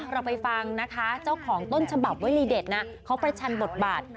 เราไปฟังนะคะเจ้าของต้นฉบับวลีเด็ดนะเขาประชันบทบาท